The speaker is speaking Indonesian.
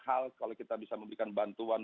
hal kalau kita bisa memberikan bantuan